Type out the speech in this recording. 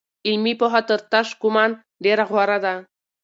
علمي پوهه تر تش ګومان ډېره غوره ده.